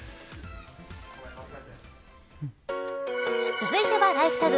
続いてはＬｉｆｅＴａｇ。